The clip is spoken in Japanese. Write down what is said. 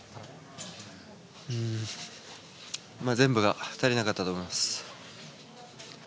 全部が足りなかったと思います。